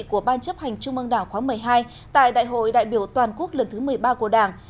của ban chấp hành trung mương đảng khóa một mươi hai tại đại hội đại biểu toàn quốc lần thứ một mươi ba của đảng